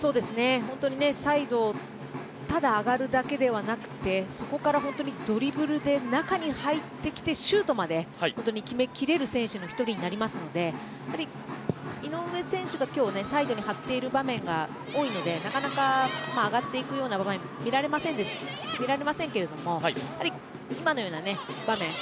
本当にサイドをただ上がるだけではなくてそこから本当にドリブルで中に入ってきてシュートまで決めきれる選手の１人になりますのでやはり井上選手が今日サイドに張っている場面が多いのでなかなか上がっていくような場面見られませんがやはり、今のような場面。